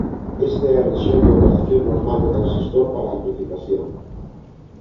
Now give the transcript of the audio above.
Esta é a rexión de operación normal do transistor para amplificación.